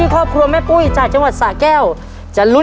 ครอบครัวของแม่ปุ้ยจังหวัดสะแก้วนะครับ